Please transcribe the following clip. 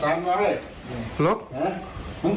หลังลงภูเข้าหลอง